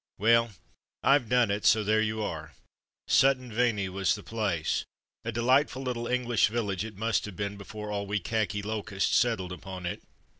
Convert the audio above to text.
Well, IVe done it, so there you are. Sutton Veney was the place ; a delightful little Eng lish village it must have been before all we khaki locusts settled upon it.